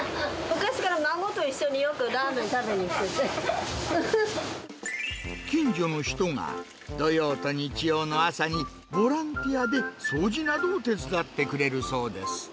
昔から孫と一緒によくラーメ近所の人が、土曜と日曜の朝に、ボランティアで掃除などを手伝ってくれるそうです。